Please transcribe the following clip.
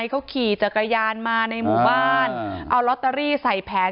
เขาขี่จักรยานมาในหมู่บ้านเอาลอตเตอรี่ใส่แผง